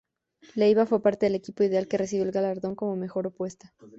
Leyva fue parte del equipo ideal que recibió el galardón como Mejor Opuesta.